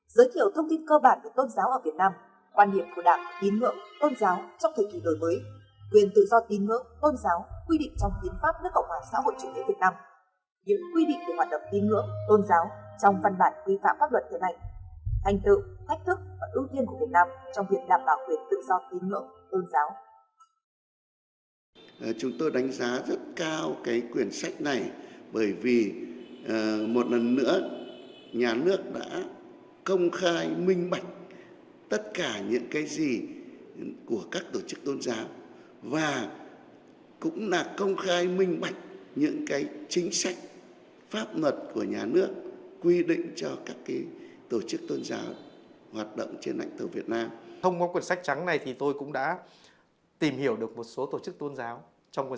giới thiệu thông tin cơ bản về tôn giáo ở việt nam quan điểm của đảng tín ngưỡng tôn giáo trong thời kỳ đổi mới quyền tự do tín ngưỡng tôn giáo quy định trong tiến pháp nước cộng hòa xã hội chủ nghĩa việt nam những quy định về hoạt động tín ngưỡng tôn giáo trong phần bản quy phạm pháp luật hiện nay thành tựu thách thức và ưu tiên của việt nam trong việc đảm bảo quyền tự do tín ngưỡng tôn giáo